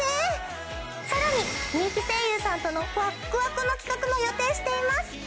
さらに人気声優さんとのワックワクの企画も予定しています。